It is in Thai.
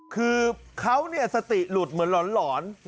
คือเขาเนี่ยสติหลุดเหมือนหล่อนหล่อน